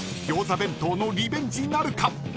餃子弁当のリベンジなるか。